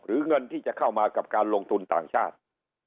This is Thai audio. เงินที่จะเข้ามากับการลงทุนต่างชาติ